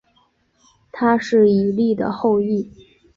他是以利的后裔。